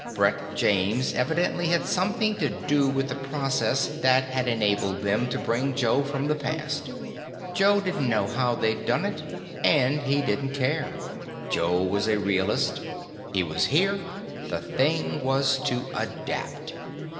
Brett James evidently had something to do with the process that had enabled them to bring Joe from the past. Joe didn't know how they'd done it, and he didn't care. Joe was a realist. He was here. The thing was to adapt.